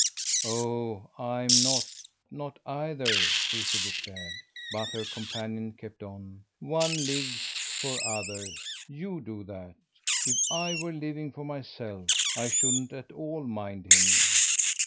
"Oh I'M not not either," Susie declared. But her companion kept on. "One lives for others. YOU do that. If I were living for myself I shouldn't at all mind him."